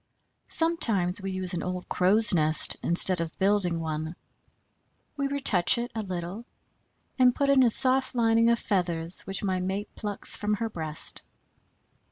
Sometimes we use an old crow's nest instead of building one; we retouch it a little and put in a soft lining of feathers which my mate plucks from her breast.